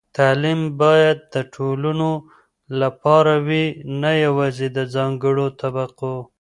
تعلیم باید د ټولو لپاره وي، نه یوازې د ځانګړو طبقو.